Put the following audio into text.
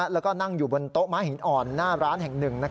แล้วก็นั่งอยู่บนโต๊ะม้าหินอ่อนหน้าร้านแห่งหนึ่ง